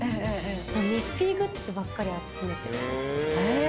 ミッフィーグッズばっかり集めてます。